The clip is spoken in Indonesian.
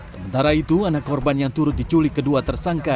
sementara itu anak korban yang turut diculik kedua tersangka